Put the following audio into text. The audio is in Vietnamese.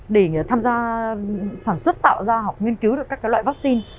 để tham gia phản xuất tạo ra học nghiên cứu được các cái loại vaccine